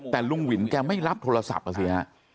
แต่ลุงหวินแกไม่รับโทรศัพท์อ่ะสิฮะ